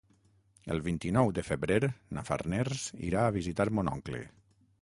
El vint-i-nou de febrer na Farners irà a visitar mon oncle.